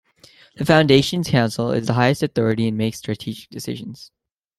The Foundation Council is the highest authority and makes strategic decisions.